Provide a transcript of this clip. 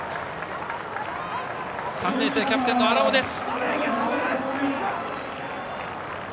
３年生キャプテンの荒尾です。